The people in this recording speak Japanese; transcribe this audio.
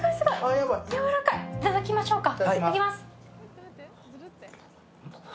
いただきましょうか。